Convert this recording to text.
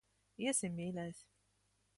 Iesim, mīļais.